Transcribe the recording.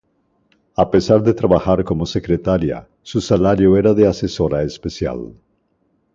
A pesar de trabajar como secretaria, su salario era de asesora especial.